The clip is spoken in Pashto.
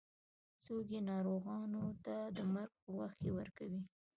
څوک یې ناروغانو ته د مرګ په وخت کې ورکوي.